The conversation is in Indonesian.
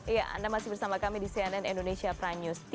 ya anda masih bersama kami di cnn indonesia prani